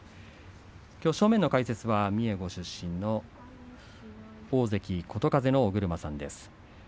きょう正面の解説は三重ご出身の大関琴風の尾車さんです。